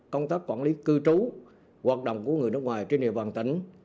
công tác quản lý cư trú hoạt động của người nước ngoài trên địa bàn tỉnh